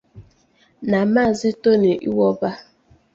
na Maazị Tony Iwoba.